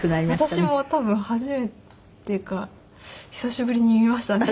私も多分初めてか久しぶりに見ましたね。